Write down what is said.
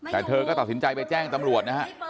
แต่เธอก็ตัดสินใจไปแจ้งตำรวจนะฮะ